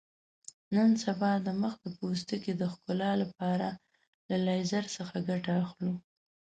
نن سبا د مخ د پوستکي د ښکلا لپاره له لیزر څخه ګټه اخلو.